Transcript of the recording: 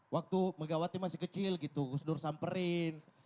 waktu megawati masih kecil gitu gus dur samperin